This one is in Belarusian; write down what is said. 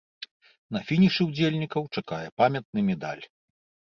На фінішы ўдзельнікаў чакае памятны медаль.